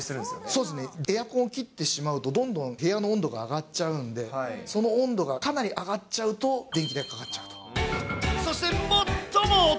そうですね、エアコン切ってしまうと、どんどん部屋の温度が上がっちゃうんで、その温度がかなり上がっちゃうと、そしてもっともお得！